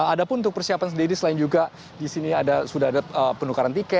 ada pun untuk persiapan sendiri selain juga di sini sudah ada penukaran tiket